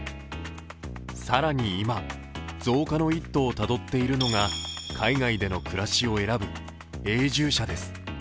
更に今、増加の一途をたどっているのが海外での暮らしを選ぶ永住者です。